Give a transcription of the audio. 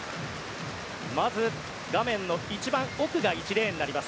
まず、画面の一番奥が１レーンになります。